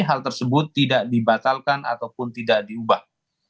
hal tersebut tidak dibatalkan ataupun tidak diubah